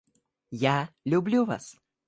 Я люблю Вас.